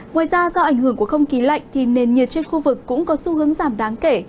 ngoài ra do ảnh hưởng của không khí lạnh thì nền nhiệt trên khu vực cũng có xu hướng giảm đáng kể